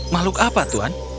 makhluk apa tuan